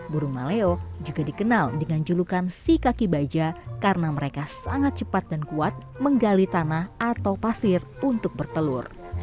burung maleo juga dikenal dengan julukan si kaki baja karena mereka sangat cepat dan kuat menggali tanah atau pasir untuk bertelur